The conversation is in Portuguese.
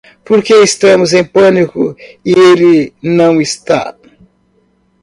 Porque estamos em pânico e ele não está.